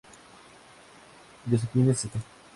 Josephine St.